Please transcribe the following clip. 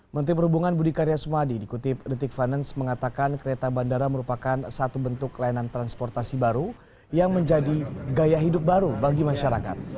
menteri perhubungan budi karya sumadi dikutip detik finance mengatakan kereta bandara merupakan satu bentuk layanan transportasi baru yang menjadi gaya hidup baru bagi masyarakat